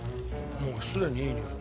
もうすでにいいにおい。